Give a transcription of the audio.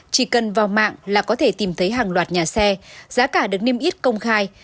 chỉ cần vào mạng là có thể tìm thấy hàng loạt nhà xe giá cả được niêm yết công khai